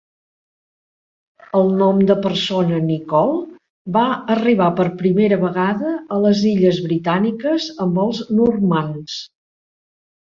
El nom de persona "Nicol" va arribar per primera vegada a les Illes Britàniques amb els normands.